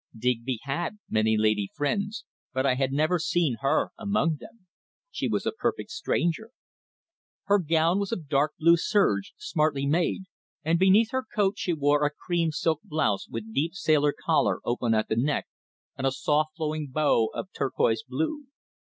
Digby had many lady friends, but I had never seen her among them. She was a perfect stranger. Her gown was of dark blue serge, smartly made, and beneath her coat she wore a cream silk blouse with deep sailor collar open at the neck, and a soft flowing bow of turquoise blue.